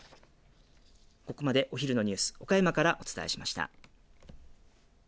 ここまで、お昼のニュース岡山からお伝えしました。